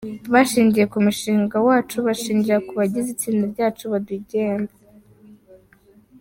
Bashingiye ku mushinga wacu, bashingira ku bagize itsinda ryacu, baduha igihembo.